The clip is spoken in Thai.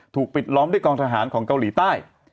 ปิดล้อมด้วยกองทหารของเกาหลีใต้